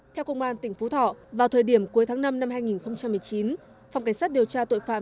theo công an tỉnh phú thọ vào thời điểm cuối tháng năm năm hai nghìn một mươi chín phòng cảnh sát điều tra tội phạm